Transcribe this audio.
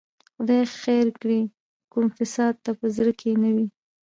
خدای خیر کړي، کوم فساد ته په زړه کې نه وي.